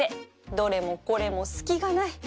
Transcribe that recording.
どれもこれも隙がない